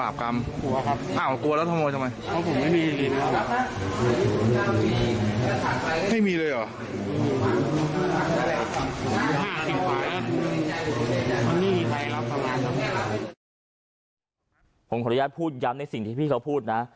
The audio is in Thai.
ผมขออนุญาตพูดย้ำในสิ่งที่พี่เขาพูดนะ